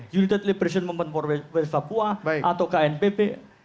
kepala pembangunan pembangunan pembangunan papua atau knpp